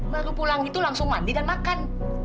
baru pulang itu langsung mandi dan makan